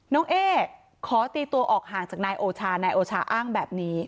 เอ๊ขอตีตัวออกห่างจากนายโอชานายโอชาอ้างแบบนี้